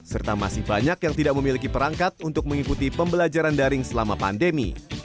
serta masih banyak yang tidak memiliki perangkat untuk mengikuti pembelajaran daring selama pandemi